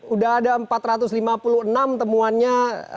udah ada empat ratus lima puluh enam temuannya